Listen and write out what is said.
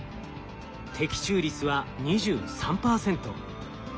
適中率は２３％。